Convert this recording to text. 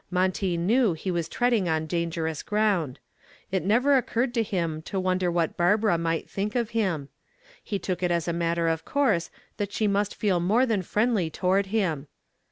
Monty knew he was treading on dangerous ground. It never occurred to him to wonder what Barbara might think of him. He took it as a matter of course that she must feel more than friendly toward him.